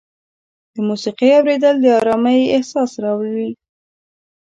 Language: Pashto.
د موسیقۍ اورېدل د ارامۍ احساس راولي.